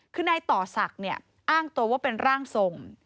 คือนายต่อศักดิ์เนี่ยอ้างตัวว่าเป็นร่างทรง